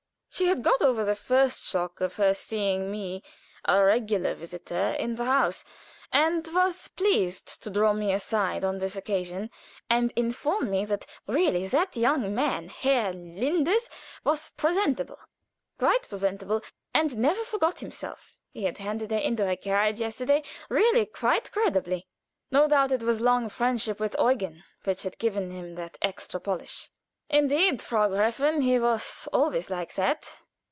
She had got over the first shock of seeing me a regular visitor in the house, and was pleased to draw me aside on this occasion, and inform me that really that young man, Herr Linders, was presentable quite presentable and never forgot himself; he had handed her into her carriage yesterday really quite creditably. No doubt it was long friendship with Eugen which had given him that extra polish. "Indeed, Frau Gräfin, he was always like that.